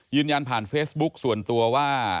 ยืนยันผ่านเฟซบุ๊คส่วนตัวว่า